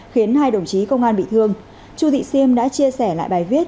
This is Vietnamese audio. khiến hai đồng chí công an bị thương chu thị siêm đã chia sẻ lại bài viết